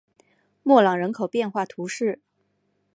莫朗人口变化图示